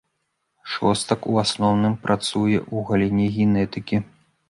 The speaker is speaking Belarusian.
Шостак ў асноўным працуе ў галіне генетыкі.